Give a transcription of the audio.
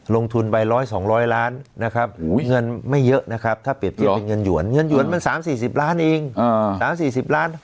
ลงทุนไปร้อยสองร้อยล้านนะครับเงินไม่เยอะนะครับถ้าเปลี่ยวเป็นเงินหยวนเงินหยวนมันสามสี่สิบล้านเองอ่าสามสี่สิบล้าน